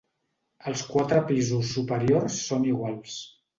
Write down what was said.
Els quatre pisos superiors són iguals.